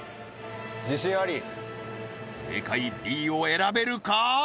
自信あり正解Ｂを選べるか？